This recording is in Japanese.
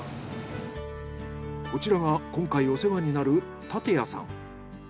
こちらは今回お世話になる竪谷さん。